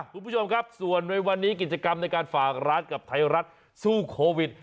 คุณผู้ชมครับส่วนในวันนี้กิจกรรมในการฝากร้านกับไทยรัฐสู้โควิด